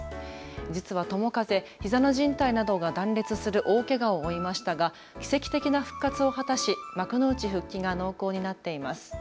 実は友風、ひざのじん帯などが断裂する大けがを負いましたが奇跡的な復活を果たし幕内復帰が濃厚になっています。